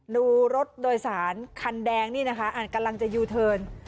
ดูรถโดยสารคันแดงนี่นะคะกำลังจะยูเทิร์น